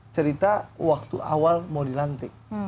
cerita waktu awal mau dilantik